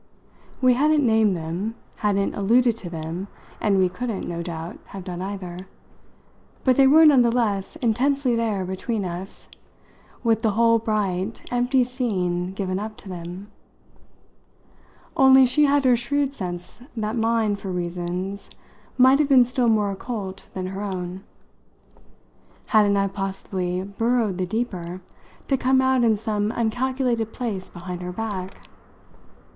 We hadn't named them hadn't alluded to them, and we couldn't, no doubt, have done either; but they were none the less intensely there between us, with the whole bright, empty scene given up to them. Only she had her shrewd sense that mine, for reasons, might have been still more occult than her own. Hadn't I possibly burrowed the deeper to come out in some uncalculated place behind her back?